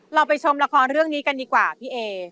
เราไปชมละครเรื่องนี้กันดีกว่าพี่เอ